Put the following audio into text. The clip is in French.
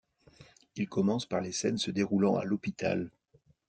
Il commence par les scènes se déroulant à l’hôpital.